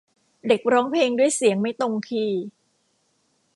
เด็กร้องเพลงด้วยเสียงไม่ตรงคีย์